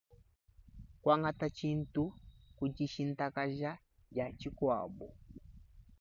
Kuangata tshintu ku dishintakaja dia tshikuabu.